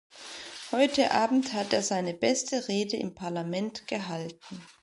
Heute Abend hat er seine beste Rede im Parlament gehalten.